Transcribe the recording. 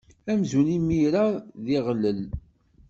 Amzun imira d iɣlel.